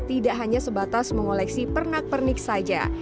tidak hanya sebatas mengoleksi pernak pernik saja